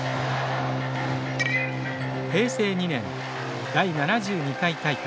平成２年、第７２回大会。